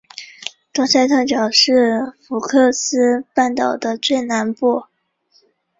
多塞特角是福克斯半岛的最南端。